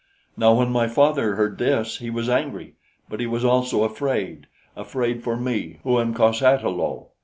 "Now, when my father heard this, he was angry; but he was also afraid afraid for me, who am cos ata lo.